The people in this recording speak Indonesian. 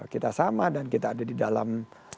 kita sama dan kita ada di dalam